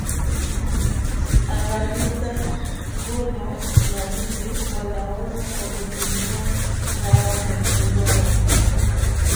Angamiza mbung'o na nzi wanaouma kwa kutumia dawa za kuua wadudu